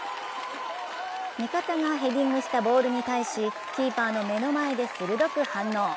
味方がヘディングしたボールに対しキーパーの目の前で鋭く反応。